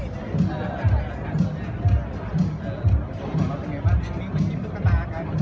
ว่าเมื่อเก็บจะโดยเฟรดสีอะไรรึเปล่า